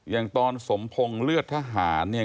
อย่างตอนสมพงศ์เลือดทหารเนี่ย